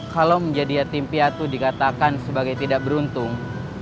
kalau menjadi yatim piatu dikatakan sebagai tidak beruntung